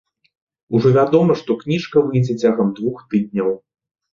Ужо вядома, што кніжка выйдзе цягам двух тыдняў.